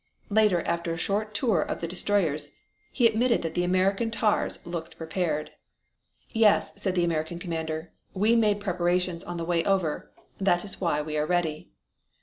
Later after a short tour of the destroyers he admitted that the American tars looked prepared. "Yes," said the American commander, "we made preparations on the way over. That is why we are ready."